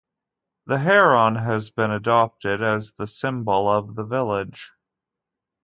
The heron has been adopted as the symbol of the village.